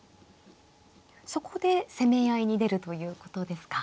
そこで攻め合いに出るということですか。